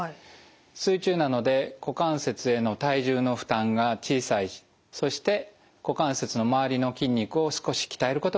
水中なので股関節への体重の負担が小さいしそして股関節の周りの筋肉を少し鍛えることができます。